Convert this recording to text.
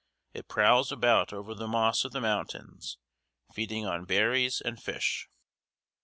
It prowls about over the moss of the mountains, feeding on berries and fish.